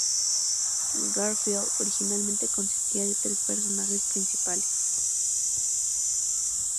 Garfield originalmente consistía de tres personajes principales.